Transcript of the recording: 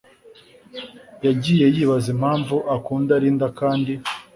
yagiye yibaza impamvu akunda Linda kandi